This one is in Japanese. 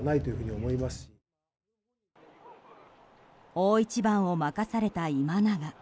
大一番を任された今永。